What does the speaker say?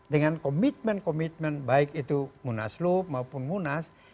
dengan komitmen komitmen baik itu munas loop maupun munas